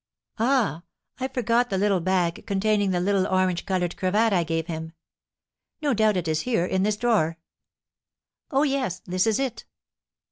Ah, I forgot the little bag containing the little orange coloured cravat I gave him. No doubt it is here in this drawer. Oh, yes, this is it.